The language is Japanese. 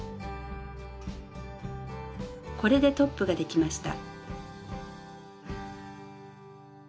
これでトップができました。